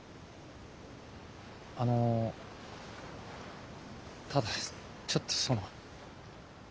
あのただちょっとその。